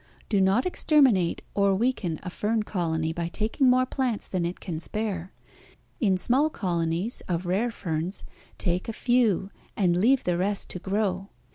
Do not exterminate or weaken a fern colony by taking more plants than it can spare. In small colonies of rare ferns take a few and leave the rest to grow.